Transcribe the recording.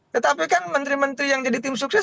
tetapi kan menteri menteri yang jadi tim sukses